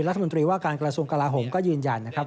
รัฐมนตรีว่าการกระทรวงกลาโหมก็ยืนยันนะครับ